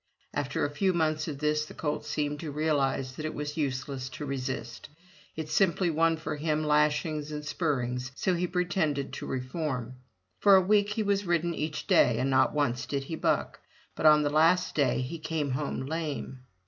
After a few months of this the colt seemed to realize that it was useless to resist; it simply won for him lashings and spur rings, so he pretended to reform. For a week he was ridden each day and not once did he buck, but on the last day he came home lame.